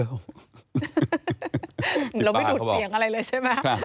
เราไม่ดูดเสียงอะไรเลยใช่ไหม